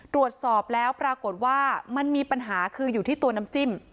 ตรวจสอบแล้วปรากฏว่ามันมีปัญหาคืออยู่ที่ตัวน้ำจิ้ม